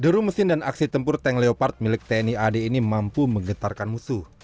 deru mesin dan aksi tempur tank leopard milik tni ad ini mampu menggetarkan musuh